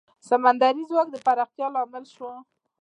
سمندري ځواک د پراختیا لامل شو.